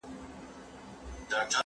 زه اوس د سبا لپاره د ژبي تمرين کوم